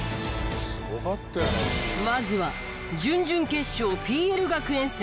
まずは準々決勝ＰＬ学園戦。